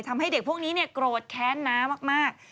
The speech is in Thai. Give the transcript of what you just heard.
ทำให้เด็กพวกนี้โกรธแค้นน้ามาก